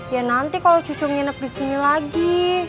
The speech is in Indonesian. ya nanti kalau cucu nginep di sini lagi